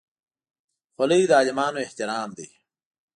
خولۍ د عالمانو احترام دی.